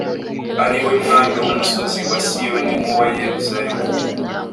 ari we mwami w’umusozi wa Siyoni n’uwa Yeruzalemu